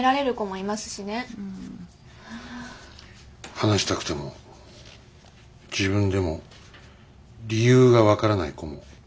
話したくても自分でも理由が分からない子もいると思います。